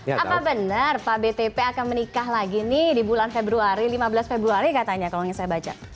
apa benar pak btp akan menikah lagi nih di bulan februari lima belas februari katanya kalau yang saya baca